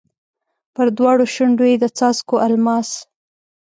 پر دواړو شونډو یې د څاڅکو الماس